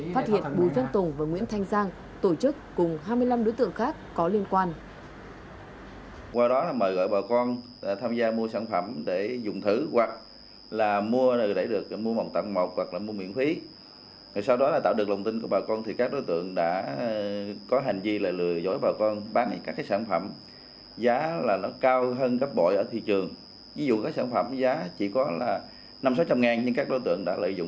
phát hiện bùi văn tùng và nguyễn thanh giang tổ chức cùng hai mươi năm đối tượng khác có liên quan